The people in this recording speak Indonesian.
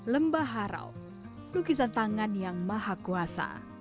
lembah harau lukisan tangan yang maha kuasa